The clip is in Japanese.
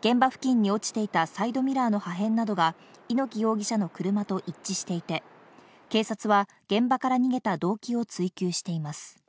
現場付近に落ちていたサイドミラーの破片などが猪木容疑者の車と一致していて、警察は現場から逃げた動機を追及しています。